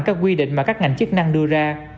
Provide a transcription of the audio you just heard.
các quy định mà các ngành chức năng đưa ra